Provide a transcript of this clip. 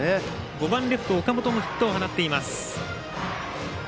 ５番レフト、岡本もヒットを放っています。